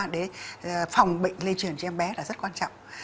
để phòng bệnh lây truyền cho em bé là rất quan trọng